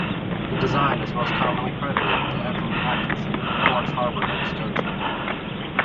The design is most commonly credited to Ephraim Atkinson of Clark's Harbour, Nova Scotia.